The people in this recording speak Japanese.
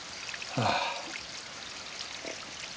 ああ。